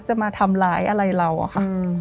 จะมาทำร้ายอะไรเราอะค่ะ